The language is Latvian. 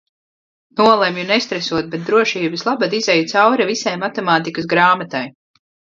Nolemju nestresot, bet drošības labad izeju cauri visai matemātikas grāmatai.